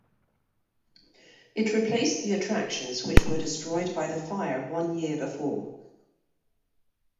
It replaced the attractions which were destroyed by the fire one year before.